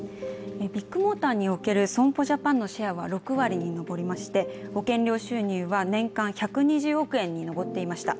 ビッグモーターにおける損保ジャパンのシェアは６割に上りまして保険料収入は年間１２０億円に上っていました。